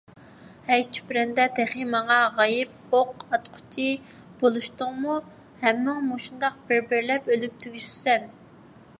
ھەي چۈپرەندە، تېخى ماڭا غايىب ئوق ئاتقۇچى بولۇشتۇڭمۇ، ھەممىڭ مۇشۇنداق بىر - بىرلەپ ئۆلۈپ تۈگىشىسەن!